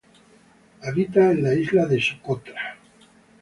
Habita en la isla de Socotra.